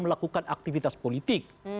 melakukan aktivitas politik